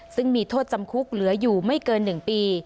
ซึ่งมีโทษจำคุกเหลืออยู่ไม่เกิน๑ปี